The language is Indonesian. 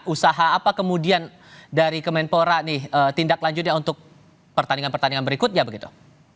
usaha apa kemudian dari kemenpora nih tindak lanjutnya untuk pertandingan pertandingan berikutnya begitu